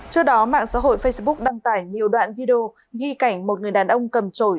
trước đó mạng xã hội facebook đăng tải nhiều đoạn video ghi cảnh một người đàn ông cầm trổi